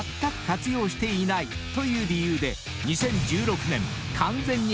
［という理由で］